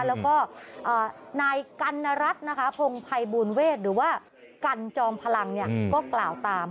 แล้วก็นายกัณรัฐนะคะพงภัยบูลเวศหรือว่ากันจอมพลังก็กล่าวตาม